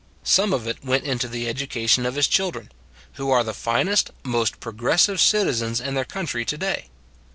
Some of it went into the education of his children, who are the finest, most prog ressive citizens in their county to day.